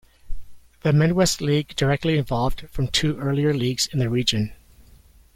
The Midwest League directly evolved from two earlier leagues in the region.